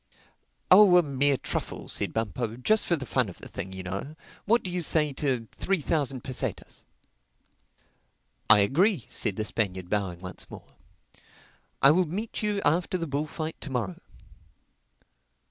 "Oh a mere truffle," said Bumpo—"just for the fun of the thing, you know. What do you say to three thousand pesetas?" "I agree," said the Spaniard bowing once more. "I will meet you after the bullfight to morrow."